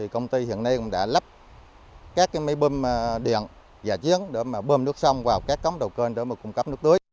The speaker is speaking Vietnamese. công ty hiện nay cũng đã lắp